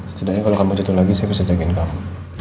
setidaknya kalo kamu jatuh lagi saya bisa jagain kamu